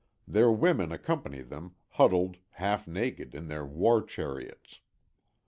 Their women accompany them, huddled, half naked, in their war chariots.